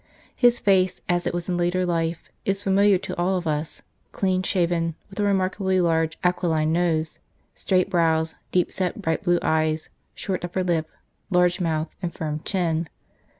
His face as it was in later life is familiar to all of us, clean shaven, with a remarkably large aquiline nose, straight brows, deep set bright blue eyes, short upper lip, large mouth, and firm chin.